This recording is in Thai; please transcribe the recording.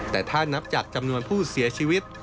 แต่ถ้านับจากจำนวนผู้เสียชีวิต